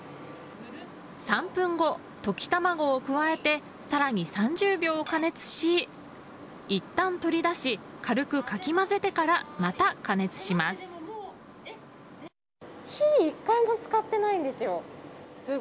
３分後、溶き卵を加えて更に３０秒加熱しいったん取り出し軽くかき混ぜてから、また加熱します。